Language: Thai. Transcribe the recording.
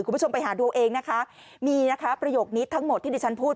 คุณผู้ชมไปหาดูเองนะคะมีนะคะประโยคนี้ทั้งหมดที่ดิฉันพูด